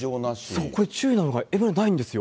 そう、これ、注意なのが、ＭＲＩではないんですよ。